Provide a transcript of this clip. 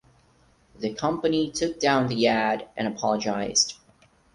The company took down the ad and apologized.